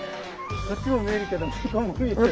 こっちも見えるけど向こうも見えてる。